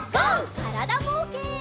からだぼうけん。